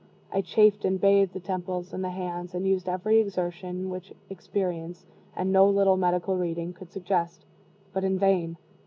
I chafed and bathed the temples and the hands and used every exertion which experience, and no little medical reading, could suggest. But in vain.